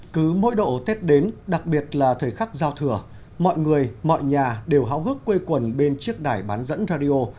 cứ mỗi độ tết đến đặc biệt là thời khắc giao thừa mọi người mọi nhà đều hão hước quê quần bên chiếc đài bán dẫn radio